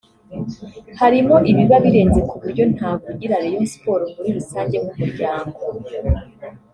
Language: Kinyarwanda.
Harimo ibiba birenze ku buryo ntavugira Rayon Sports muri rusange nk’umuryango